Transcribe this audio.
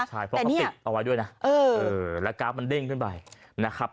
ใช่เพราะเขาติดเอาไว้ด้วยนะแล้วกราฟมันเด้งขึ้นไปนะครับ